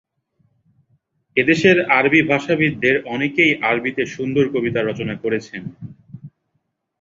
এদেশের আরবি ভাষাবিদদের অনেকেই আরবিতে সুন্দর কবিতা রচনা করেছেন।